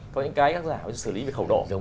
có những cái tác giả sử lý về khẩu độ